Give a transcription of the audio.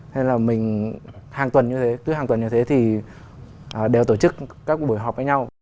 hay là mình hàng tuần như thế cứ hàng tuần như thế thì đều tổ chức các buổi họp với nhau